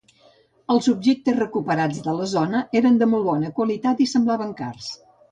Els objectes recuperats de la zona eren de molt bona qualitat i semblaven cars.